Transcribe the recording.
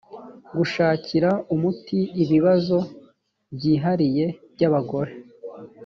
gushakira umuti ibibazo byihariye by abagore